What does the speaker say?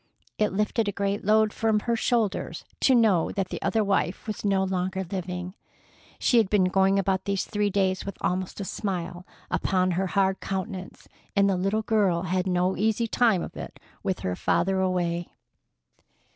It lifted a great load from her shoulders to know that the other wife was no longer living. She had been going about these three days with almost a smile upon her hard countenance, and the little girl had had no easy time of it with her father away.